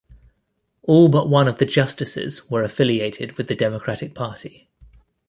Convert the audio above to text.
All but one of the justices were affiliated with the Democratic Party.